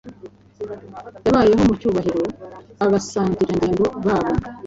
Yabayeho mucyubahiroabasangirangendo ba bo